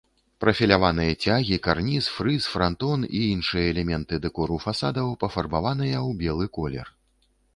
Прафіляваныя цягі, карніз, фрыз, франтон і іншыя элементы дэкору фасадаў пафарбаваныя ў белы колер.